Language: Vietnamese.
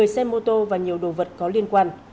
một mươi xe mô tô và nhiều đồ vật có liên quan